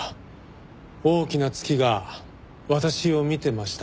「大きな月が私を見てました」